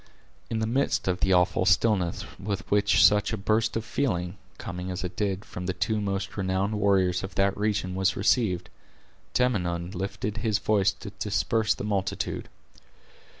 In the midst of the awful stillness with which such a burst of feeling, coming as it did, from the two most renowned warriors of that region, was received, Tamenund lifted his voice to disperse the multitude.